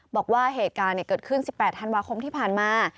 บอกว่าเหตุการณ์เกิดขึ้น๑๘ธันวาคมที่ผ่านมา